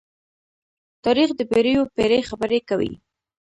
تاریخ د پېړيو پېړۍ خبرې کوي.